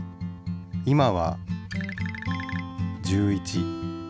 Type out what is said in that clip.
今は１１。